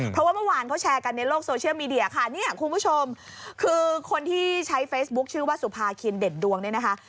เพราะว่าเมื่อวานเขาแชร์กันในโลกโซเชียลมีเดียค่ะเนี่ยคุณผู้ชมคือคนที่ใช้เฟซบุ๊คชื่อว่าสุภาคินเด่นดวงเนี่ยนะคะ